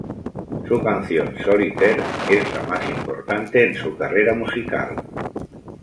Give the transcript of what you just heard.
Su canción "Solitaire", es la más importante en su carrera musical.